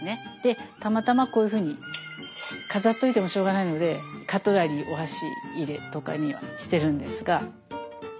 たまたまこういうふうに飾っておいてもしょうがないのでカトラリーお箸入れとかにはしてるんですが。